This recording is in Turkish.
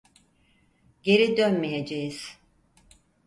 Geri dönmeyeceğiz.